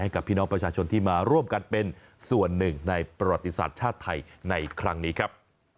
กับพี่น้องประชาชนที่มาร่วมกันเป็นส่วนหนึ่งในประวัติศาสตร์ชาติไทยในครั้งนี้ครับ